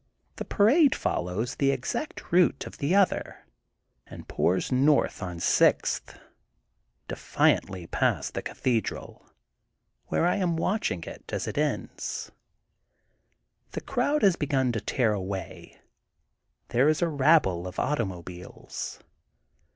The parade follows the exact route of the other and pours north on Sixth defiantly past the Cathedral, where I am watching it as it ends. The crowd has begun to clear away. There is a rabble of automobiles.